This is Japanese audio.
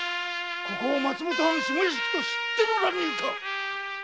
ここを松本藩下屋敷と知っての乱入か‼